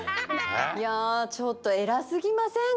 いやちょっとえらすぎません？